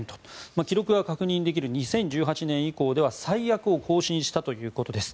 記録が確認できる２０１８年以降では最悪を更新したということです。